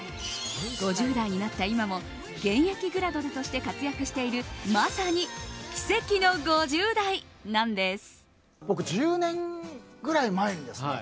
５０代になった今も現役グラドルとして活躍しているまさに奇跡の５０代なんです。